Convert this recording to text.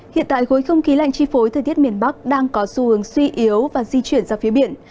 hiện tại khối không khí lạnh chi phối thời tiết miền bắc đang có xu hướng suy yếu và di chuyển ra phía biển